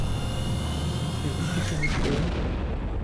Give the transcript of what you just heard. C’est vous qui soignez le cheval ?